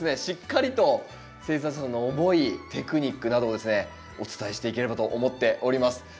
しっかりと生産者さんの思いテクニックなどですねお伝えしていければと思っております。